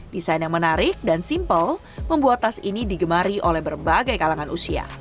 desain yang menarik dan simple membuat tas ini digemari oleh berbagai kalangan usia